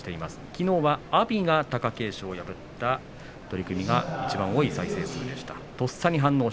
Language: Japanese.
きのうは、阿炎が貴景勝を破った取組がいちばん多い再生でした。